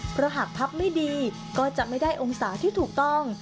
เพราะหากพับไม่ดีก็จะไม่ได้องศาที่ถูกต้อง